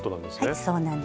はいそうなんです。